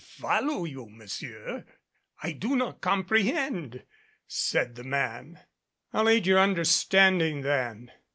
"Follow you, Monsieur? I do not comprehend," said the man. "I'll aid your understanding, then.